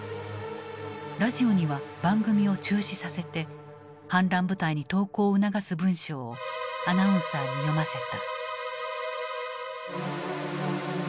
ラジオには番組を中止させて反乱部隊に投降を促す文章をアナウンサーに読ませた。